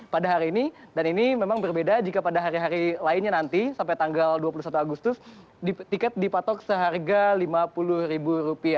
pada hari ini dan ini memang berbeda jika pada hari hari lainnya nanti sampai tanggal dua puluh satu agustus tiket dipatok seharga rp lima puluh